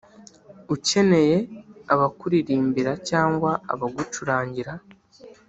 ukeneye abakuririmbira cyangwa abagucurangira